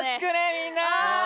みんな！